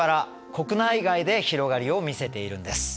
国内外で広がりを見せているんです。